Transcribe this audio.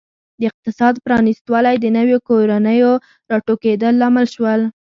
د اقتصاد پرانیستوالی د نویو کورنیو راټوکېدل لامل شول.